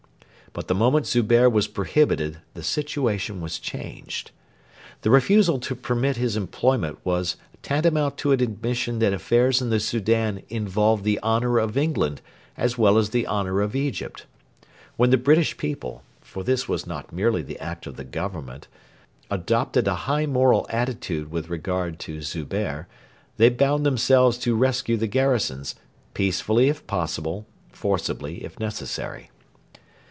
But the moment Zubehr was prohibited the situation was changed. The refusal to permit his employment was tantamount to an admission that affairs in the Soudan involved the honour of England as well as the honour of Egypt. When the British people for this was not merely the act of the Government adopted a high moral attitude with regard to Zubehr, they bound themselves to rescue the garrisons, peaceably if possible, forcibly if necessary.